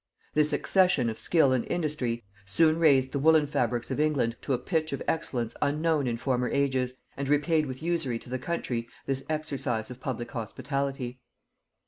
This accession of skill and industry soon raised the woollen fabrics of England to a pitch of excellence unknown in former ages, and repaid with usury to the country this exercise of public hospitality.